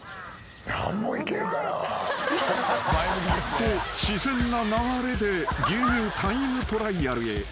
［と自然な流れで牛乳タイムトライアルへ］